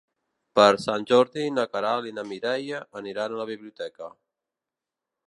Per Sant Jordi na Queralt i na Mireia aniran a la biblioteca.